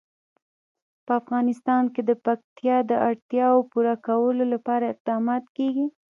په افغانستان کې د پکتیا د اړتیاوو پوره کولو لپاره اقدامات کېږي.